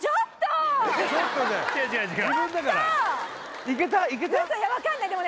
ウソ分かんないでもね